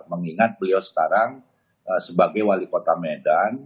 mengingat beliau sekarang sebagai wali kota medan